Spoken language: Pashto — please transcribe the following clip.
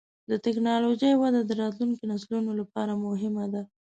د ټکنالوجۍ وده د راتلونکي نسلونو لپاره مهمه ده.